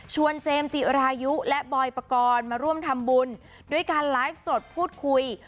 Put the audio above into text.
เจมส์จิรายุและบอยปกรณ์มาร่วมทำบุญด้วยการไลฟ์สดพูดคุย